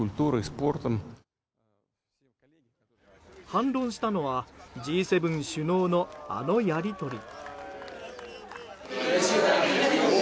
反論したのはＧ７首脳のあのやり取り。